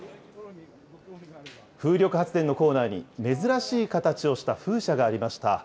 風力発電のコーナーに珍しい形をした風車がありました。